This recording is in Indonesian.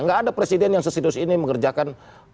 nggak ada presiden yang sesidus ini mengerjakan